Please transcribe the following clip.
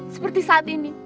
seperti saat ini